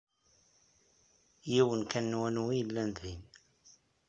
Yiwen kan n wanu ay yellan din.